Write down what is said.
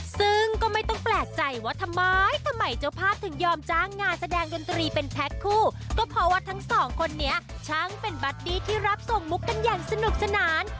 ซึ่งก็ไม่ต้องแปลกใจว่าทำไมทำไมเจ้าภาพถึงยอมจ้างงานแสดงดนตรีเป็นแพ็คคู่ก็เพราะว่าทั้งสองคนนี้ช่างเป็นบัดดี้ที่รับส่งมุกกันอย่างสนุกสนาน